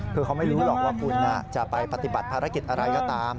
คือเขาไม่รู้หรอกว่าคุณจะไปปฏิบัติภารกิจอะไรก็ตาม